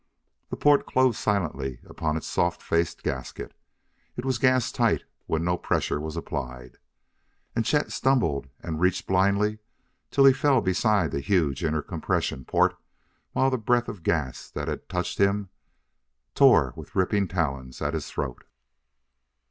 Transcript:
The port closed silently upon its soft faced gasket; it was gas tight when no pressure was applied. And Chet stumbled and reached blindly till he fell beside the huge inner compression port, while the breath of gas that had touched him tore with ripping talons at his throat.